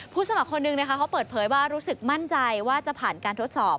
สมัครคนหนึ่งนะคะเขาเปิดเผยว่ารู้สึกมั่นใจว่าจะผ่านการทดสอบ